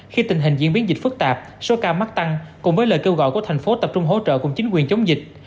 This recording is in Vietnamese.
khi tình hình diễn biến dịch phức tạp số ca mắc tăng cùng với lời kêu gọi của thành phố tập trung hỗ trợ cùng chính quyền chống dịch